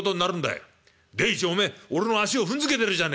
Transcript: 第一お前俺の足を踏んづけてるじゃねえか』